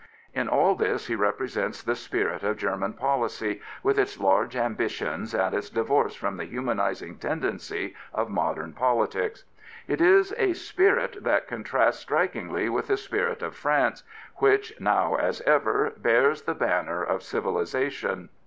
In all this he represents the spirit of German policy, with its large ambitions and its divorce from the humanising tendency of modern politics. It is a spirit that contrasts strikingly with the spirit of France, which, now as ever, bears the banner of civilisation.